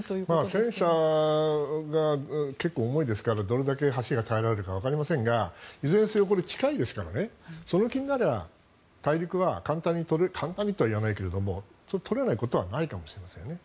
戦車が結構、重いですからどれだけ橋が耐えられるかわかりませんがいずれにせよ、近いですからその気になれば大陸は簡単にとは言わないけど取れないことはないかもしれませんね。